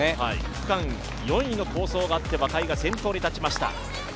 区間４位の好走があって、若井が先頭に立ちました。